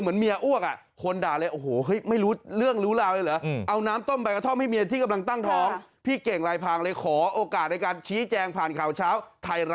เหมือนเมียอ้วกอะคนด่าเลยโอ้โหร